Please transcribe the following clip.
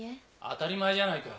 当たり前じゃないか。